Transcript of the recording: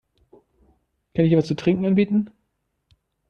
Kann ich dir etwas zu trinken anbieten?